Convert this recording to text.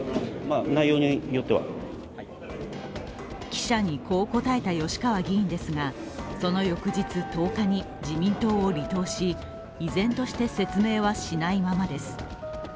記者にこう答えた吉川議員ですが、その翌日１０日に自民党を離党し依然として説明はしないままです。